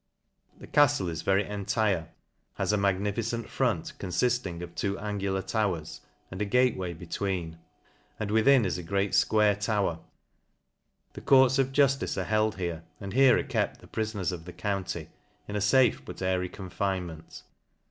The caftle is very entire, has a magnificent front confiding of two angular towers, and a gateway be tween, and within is a great fquare tower. Th courts of juftice are held here, and here are kept th prifoners of the county, in a fafe but airy confine ment.